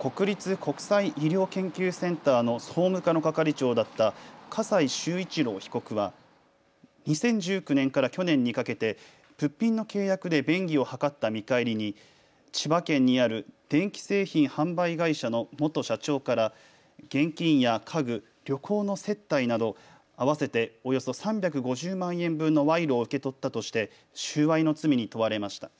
国立国際医療研究センターの総務課の係長だった笠井崇一郎被告は２０１９年から去年にかけて物品の契約で便宜を図った見返りに千葉県にある電気製品販売会社の元社長から現金や家具、旅行の接待など合わせておよそ３５０万円分の賄賂を受け取ったとして収賄の罪に問われました。